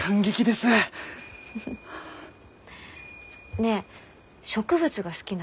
ねえ植物が好きなの？